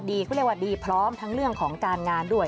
เขาเรียกว่าดีพร้อมทั้งเรื่องของการงานด้วย